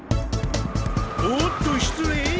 おっと失礼。